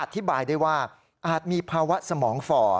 อธิบายได้ว่าอาจมีภาวะสมองฝ่อ